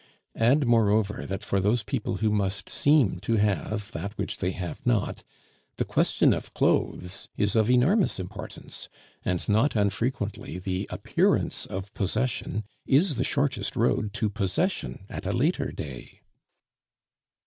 Add, moreover, that for those people who must seem to have that which they have not, the question of clothes is of enormous importance, and not unfrequently the appearance of possession is the shortest road to possession at a later day.